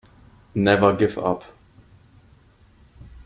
Never give up.